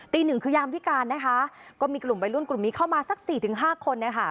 หนึ่งคือยามวิการนะคะก็มีกลุ่มวัยรุ่นกลุ่มนี้เข้ามาสักสี่ถึงห้าคนนะคะ